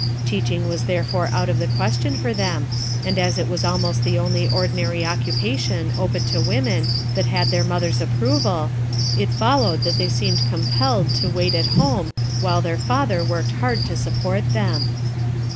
Teaching was therefore out of the question for them, and as it was al most the only ordinary occupation open to women that had their mother's approval, it followed that they seemed compelled to wait at home while their father worked hard to sup port them.